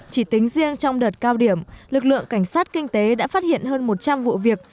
chỉ tính riêng trong đợt cao điểm lực lượng cảnh sát kinh tế đã phát hiện hơn một trăm linh vụ việc